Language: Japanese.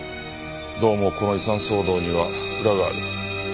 どうもこの遺産騒動には裏がある。